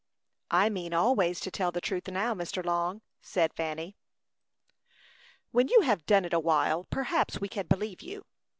"I mean always to tell the truth now, Mr. Long," said Fanny. "When you have done it a while, perhaps we can believe you.